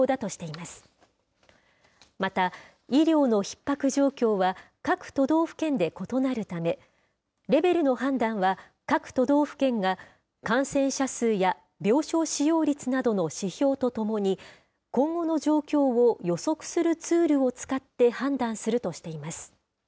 また、医療のひっ迫状況は各都道府県で異なるため、レベルの判断は、各都道府県が感染者数や病床使用率などの指標とともに、今後の状況を予測するツールを使って判断するとしています。